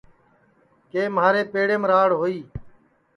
کہ مہارے پیڑیم راڑ ہوئی